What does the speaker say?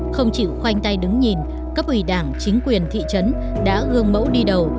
không chịu khoanh tay đứng nhìn cấp ủy đảng chính quyền thị trấn đã gương mẫu đi đầu